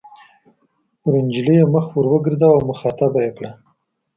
پر نجلۍ یې مخ ور وګرځاوه او مخاطبه یې کړه.